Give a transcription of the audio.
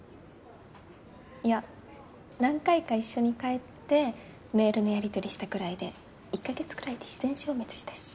いや、何回か一緒に帰ってメールのやり取りしたくらいで１カ月くらいで自然消滅したし。